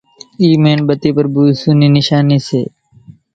اِي ميڻ ٻتي پرڀو ايسُو نِي نيشاني سي